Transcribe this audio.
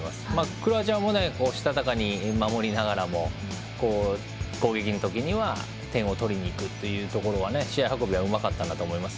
クロアチアもしたたかに守りながらも攻撃の時には点を取りにいくというところは試合運びはうまかったなと思います。